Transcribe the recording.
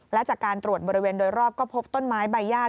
และจากการตรวจบริเวณโดยรอบก็พบต้นไม้ใบญาติ